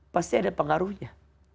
pasti ada pengaruhnya